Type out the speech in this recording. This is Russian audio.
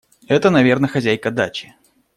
Это, наверно, хозяйка дачи.